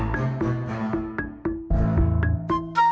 dia pengen mp dua